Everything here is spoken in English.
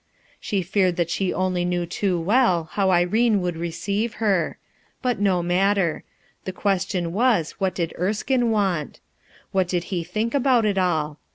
She feared that she knew only too well how Irene would receive her; hut no matter. The question was, What did ICrskine want? What did he think about it all?